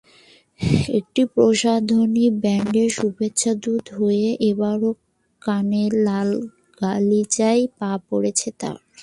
একটি প্রসাধনী ব্র্যান্ডের শুভেচ্ছাদূত হয়ে এবারও কানের লালগালিচায় পা পড়েছে তাঁর।